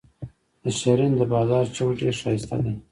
د شرنۍ د بازار چوک ډیر شایسته دي.